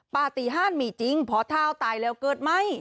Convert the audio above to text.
ประติฮาลมีจริงพอเทาตายแล้วเกิดใหม่